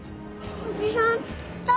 おじさん誰？